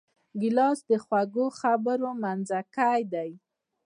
ګیلاس د خوږو خبرو منځکۍ دی.